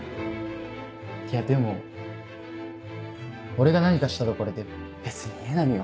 いやでも俺が何かしたところで別に江波は俺を。